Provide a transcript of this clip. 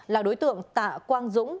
là đối tượng tạ quang dũng